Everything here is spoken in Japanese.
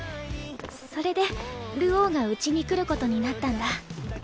それで流鶯がうちに来ることになったんだ。